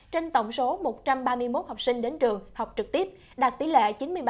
trên tổng số một trăm ba mươi một học sinh đến trường học trực tiếp đạt tỷ lệ chín mươi bảy ba mươi một